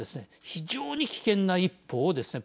非常に危険な一歩をですね